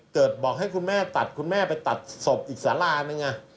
บอกให้คุณแม่ตัดคุณแม่ไปตัดศพอีกสารานึง